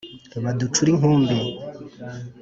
Baducure inkumbi